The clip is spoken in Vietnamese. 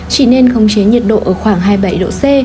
chỉ nên khống chế nhiệt độ ở khoảng hai mươi bảy độ c